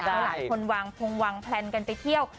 หลายคนวางพงวางแพลนกันไปเที่ยว